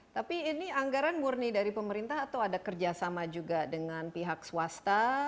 tapi ini anggaran murni dari pemerintah atau ada kerjasama juga dengan pihak swasta